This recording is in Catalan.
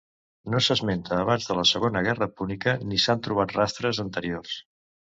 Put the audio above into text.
No s'esmenta abans de la Segona Guerra Púnica ni s'han trobat rastres anteriors.